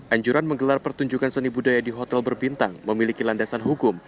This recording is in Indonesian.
anjuran menggelar pertunjukan seni budaya di hotel berbintang memiliki landasan hukum